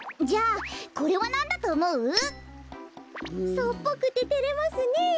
ソっぽくててれますねえ。